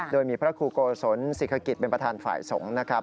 โดยมีพระครูโกศลศิคกิจเป็นประธานฝ่ายสงฆ์นะครับ